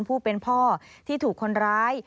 ผู้เป็นพ่อที่ถูกคนร้าย